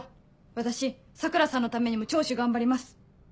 私桜さんのためにも聴取頑張ります。